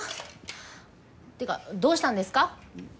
てかどうしたんですか？